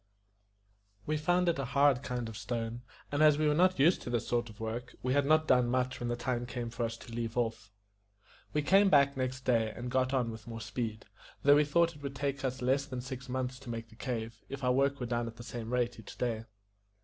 We found it a hard kind of stone; and, as we were not used to this sort of work, we had not done much when the time came for us to leave off. We came back next day, and got on with more speed, though we thought it would not take us less than six months to make the cave, if our work were done at the same rate each day.